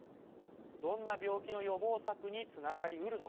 どんな病気の予防策につながりうるのか。